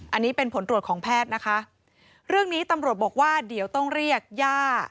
อันนี้เป็นผลตรวจของแพทย์นะคะเรื่องนี้ตำรวจบอกว่าเดี๋ยวต้องเรียกย่า